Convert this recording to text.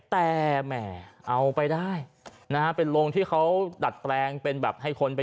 แต่แหมเอาไปได้นะฮะเป็นโรงที่เขาดัดแปลงเป็นแบบให้คนไป